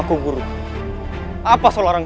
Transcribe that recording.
ibu kita pergi dari sini